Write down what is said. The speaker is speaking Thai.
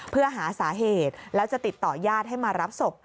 เพื่อหาสาเหตุแล้วจะติดต่อญาติให้มารับศพ